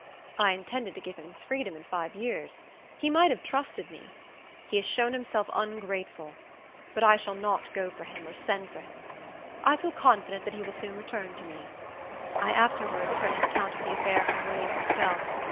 I intended to give him his freedom in five years. He might have trusted me. He has shown himself ungrateful; but I shall not go for him, or send for him. I feel confident that he will soon return to me." I afterwards heard an account of the affair from William himself.